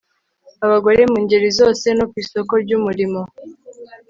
abagore mu ngeri zose no ku isoko ry'umurimo